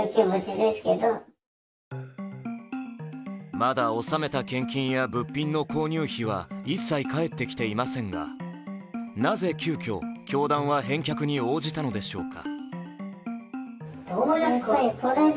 まだ納めた献金や物品の購入費は一切、返ってきていませんがなぜ急きょ、教団は返却に応じたのでしょうか。